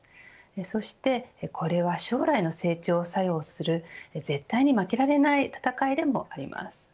そしてこれは将来の成長を左右する絶対に負けられない戦いでもあります。